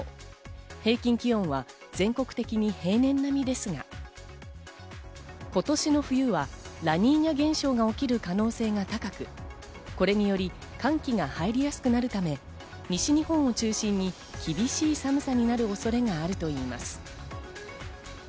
平均気温は全国的に平年並みですが、今年の冬はラニーニャ現象が起きる可能性が高く、これにより寒気が入りやすくなるため西日本を中心に厳しい寒さになる恐れがあるといいます。